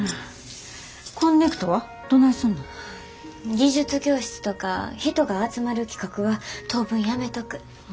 技術教室とか人が集まる企画は当分やめとく。